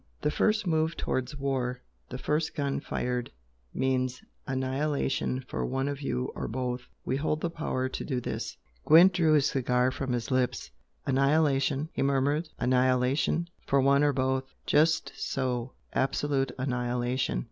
The first move towards war the first gun fired means annihilation for one of you or both! We hold the power to do this!'" Gwent drew his cigar from his lips. "Annihilation!" he murmured "Annihilation? For one or both!" "Just so absolute annihilation!"